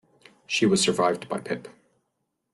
She was survived by Pip.